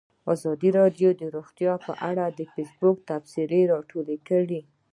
ازادي راډیو د روغتیا په اړه د فیسبوک تبصرې راټولې کړي.